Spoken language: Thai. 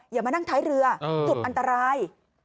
อย่ามานั่งท้ายเรือจุดอันตราย